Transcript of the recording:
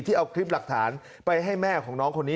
เอาคลิปหลักฐานไปให้แม่ของน้องคนนี้